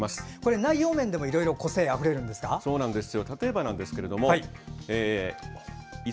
内容面でもいろいろ個性あふれるんですか。